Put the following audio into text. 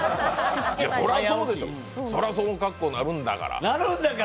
そらそうでしょ、その格好になるんだから。